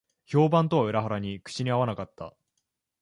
評判とは裏腹に口に合わなかった